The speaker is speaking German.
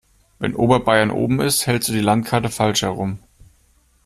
Wenn Oberbayern oben ist, hältst du die Landkarte falsch herum.